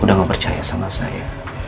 udah gak percaya sama saya